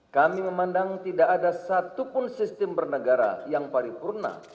kami memandang tidak ada satupun sistem bernegara yang paripurna